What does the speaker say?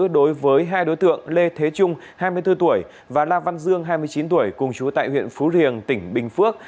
đối với hai đối tượng lê thế trung hai mươi bốn tuổi và la văn dương hai mươi chín tuổi cùng chú tại huyện phú riềng tỉnh bình phước